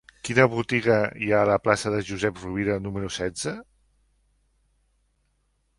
Quina botiga hi ha a la plaça de Josep Rovira número setze?